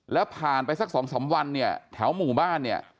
แล้วผ่านไปสักสองสามวันเนี่ยแถวหมู่บ้านเนี่ย